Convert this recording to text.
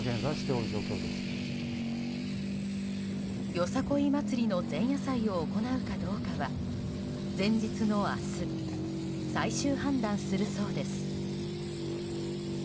よさこい祭りの前夜祭を行うかどうかは前日の明日最終判断するそうです。